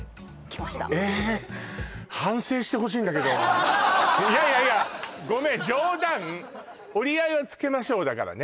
はいえっいやいやいやごめん冗談折り合いをつけましょうだからね